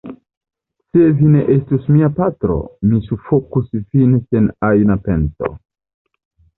Se vi ne estus mia patro, mi sufokus vin sen ajna pento.